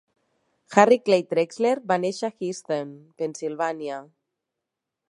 Harry Clay Trexler va néixer a Easton, Pennsilvània.